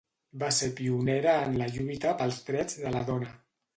Va ser pionera en la lluita pels drets de la dona.